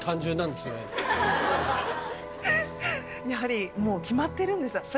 やはりもう決まってるんです。